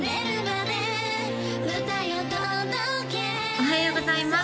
おはようございます